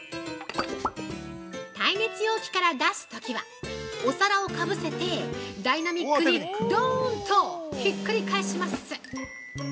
◆耐熱容器から出すときは、お皿を被せてダイナミックにドーンとひっくり返します！